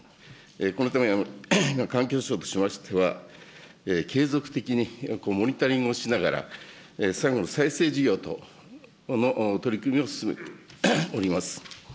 このため環境省としましては、継続的にモニタリングをしながら、サンゴの再生事業等の取り組みを進めております。